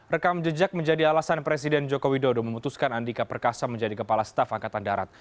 rekam jejak menjadi alasan presiden joko widodo memutuskan andika perkasa menjadi kepala staf angkatan darat